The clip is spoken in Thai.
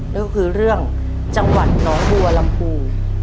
นั่นก็คือเรื่องจังหวัดหนองบัวลำพู